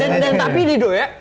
dan tapi nih doh ya